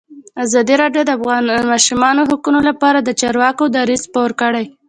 ازادي راډیو د د ماشومانو حقونه لپاره د چارواکو دریځ خپور کړی.